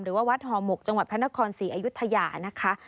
หรือว่าวัดฮอมกจังหวัดพระนคร๔อายุทยานะคะ